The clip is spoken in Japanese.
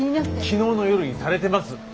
昨日の夜にされてます！